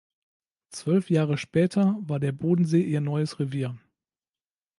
Zwölf Jahre später war der Bodensee ihr neues Revier.